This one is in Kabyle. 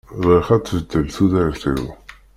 Bɣiɣ ad tbeddel tudert-iw.